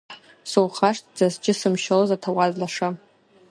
Сухашҭӡаз џьысымшьоз, аҭауад лаша!